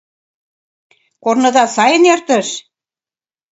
Корныда сайын эртыш?